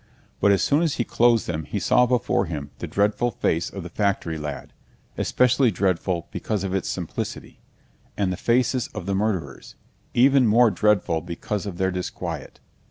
But as soon as he closed them he saw before him the dreadful face of the factory lad—especially dreadful because of its simplicity—and the faces of the murderers, even more dreadful because of their disquiet.